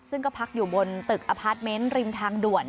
ซึ่งก็พักอยู่บนตึกอพาร์ทเมนต์ริมทางด่วน